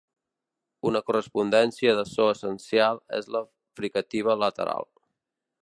Una correspondència de so essencial és la fricativa lateral.